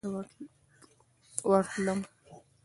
مګوري روغتون ته به له غرمې وروسته ورتلم.